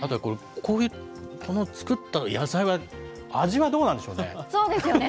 この作った野菜は、味はどうなんでしょうね。